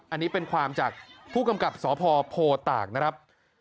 อันนี้เป็นความจากผู้กำกับสพโพตากนะครับ